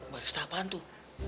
barista apaan tuh